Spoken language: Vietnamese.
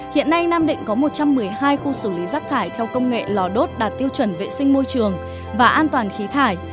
hiện nay nam định có một trăm một mươi hai khu xử lý rác thải theo công nghệ lò đốt đạt tiêu chuẩn vệ sinh môi trường và an toàn khí thải